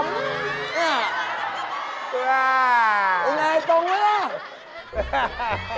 เออไงตรงนี้